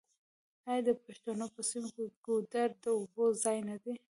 آیا د پښتنو په سیمو کې ګودر د اوبو ځای نه دی؟